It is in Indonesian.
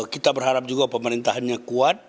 kita berharap juga pemerintahannya kuat